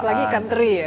apalagi ikan teri ya